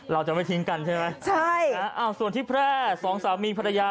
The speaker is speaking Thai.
เราจะไม่ทิ้งกันใช่ไหมใช่ส่วนที่แพร่สองสามีภรรยา